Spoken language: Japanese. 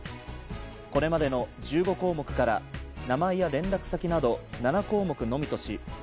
これまでの１５項目から名前や連絡先など７項目のみとし